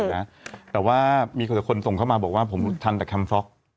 แล้วแต่ว่ามีแต่คนต้องเข้ามาบอกว่าผมทำแต่แคมเพราค